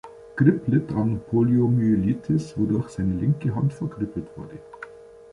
Grip litt an Poliomyelitis, wodurch seine linke Hand verkrüppelt wurde.